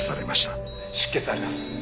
出血あります。